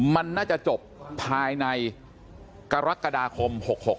มันน่าจะจบภายในกรกฎาคม๖๖